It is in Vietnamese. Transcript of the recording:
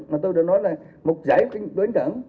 mà tôi đã nói là một giải đối cảng